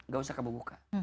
gak usah kamu buka